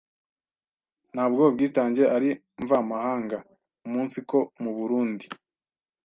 ntabwo ubwitange ari mvamahanga umunsiko mu Burunndi